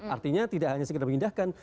artinya tidak hanya sekedar mengindahkan